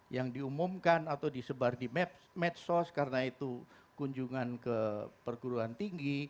yang diumumkan atau disebar di medsos karena itu kunjungan ke perguruan tinggi